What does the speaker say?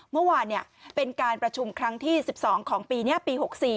เมื่อวานเป็นการประชุมครั้งที่๑๒ของปีนี้ปี๖๔